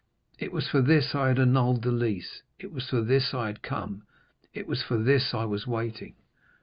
It was for this I had annulled the lease—it was for this I had come—it was for this I was waiting.